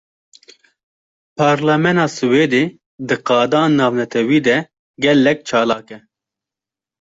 Parlamena Swêdê, di qada navnetewî de gelek çalak e